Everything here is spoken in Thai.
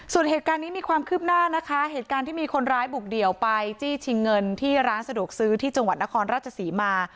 ส่วนเหตุการณ์นี้มีความคืบหน้านะคะเหตุการณ์ที่มีคนร้ายบุกเดี่ยวไปจี้ชิงเงินที่ร้านสะดวกซื้อที่จังหวัดนครราชศรีมา